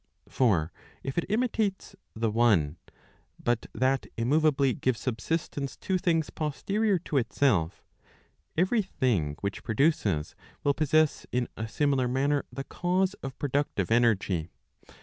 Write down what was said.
For if it imitates the one , but that immoveably gives subsistence to things posterior to itself, every thing which produces will possess in a „ similar manner the cause of productive energy.